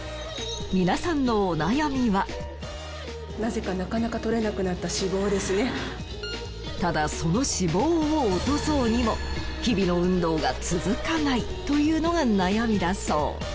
皆さんのなぜかなかなかただその脂肪を落とそうにも日々の運動が続かないというのが悩みだそう。